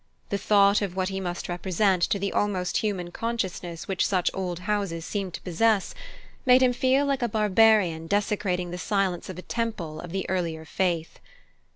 The thought of what he must represent to the almost human consciousness which such old houses seem to possess, made him feel like a barbarian desecrating the silence of a temple of the earlier faith.